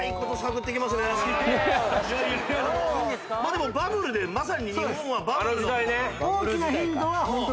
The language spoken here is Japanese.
でもバブルでまさに日本はバブルのころ。